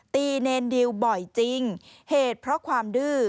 เนรดิวบ่อยจริงเหตุเพราะความดื้อ